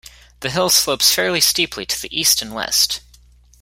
The hill slopes fairly steeply to the east and west.